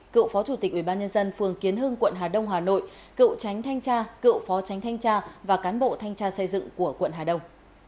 cựu phó chủ tịch ubnd phường kiến hưng quận hà đông hà nội cựu tránh thanh tra cựu phó tránh thanh tra và cán bộ thanh tra xây dựng của quận hà đông